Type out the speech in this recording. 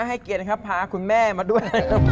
ให้เกียรตินะครับพาคุณแม่มาด้วย